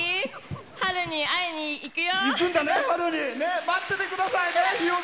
春に会いに行くよ！